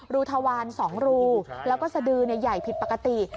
ทวาร๒รูแล้วก็สดือใหญ่ผิดปกติ